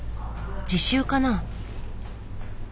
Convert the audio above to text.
自習かな？